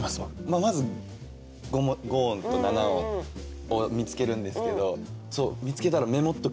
まず五音と七音を見つけるんですけど見つけたらメモっとくんすよ。